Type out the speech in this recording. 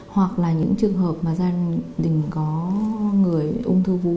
hoặc là những trường hợp mà gia đình có người ung thư vú